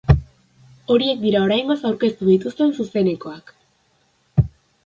Horiek dira oraingoz aurkeztu dituzten zuzenekoak.